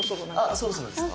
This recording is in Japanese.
あそろそろですか？